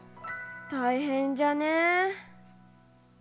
大変じゃねえ。